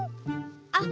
あっ！